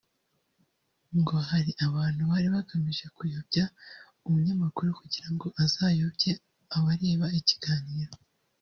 ngo hari abantu bari bagamije kuyobya umunyamakuru kugirango azayobye abareba ikiganiro